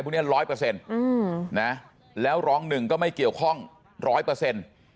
พวกนี้ร้อยเปอร์เซ็นต์อืมนะแล้วร้องหนึ่งก็ไม่เกี่ยวข้องร้อยเปอร์เซ็นต์